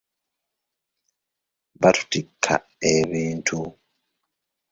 Batutikka ebintu.